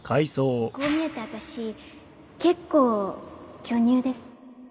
こう見えて私結構巨乳です